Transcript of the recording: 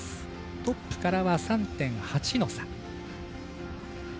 トップからは３．８の差。